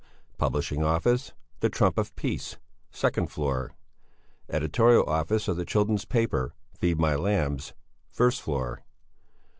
Publishing office, The Trump of Peace, second floor. Editorial office of the children's paper, Feed My Lambs, first floor.